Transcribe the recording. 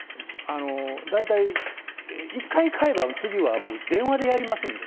大体１回買えば、次はもう、電話でやりますんで。